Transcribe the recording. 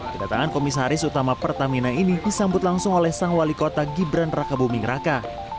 kedatangan komisaris utama pertamina ini disambut langsung oleh sang wali kota gibran raka buming raka